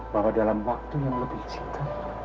bahwa dalam waktu yang lebih singkat